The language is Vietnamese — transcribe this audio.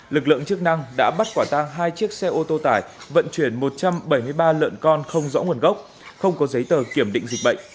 lực lượng chức năng đã bắt quả tang hai chiếc xe ô tô tải vận chuyển một trăm bảy mươi ba lợn con không rõ nguồn gốc không có giấy tờ kiểm định dịch bệnh